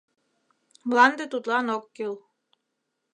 Мланде тудлан ок кӱл.